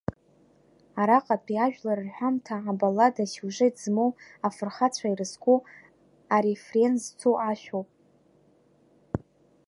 Араҟатәи ажәлар рҳәамҭа абаллада асиужет змоу, афырхацәа ирызку, арефрен зцу ашәоуп.